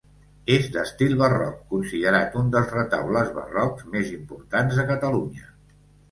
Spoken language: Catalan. És d'estil barroc, considerat un dels retaules barrocs més importants de Catalunya.